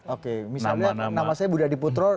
oke misalnya nama saya budi adiputro